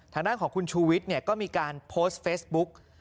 ทางด้านของคุณชูวิทย์ก็มีการโพสต์เฟซบุ๊ก